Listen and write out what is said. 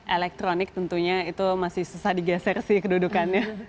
elektronik tentunya itu masih susah digeser sih kedudukannya